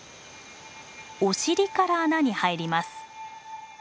お尻から穴に入ります。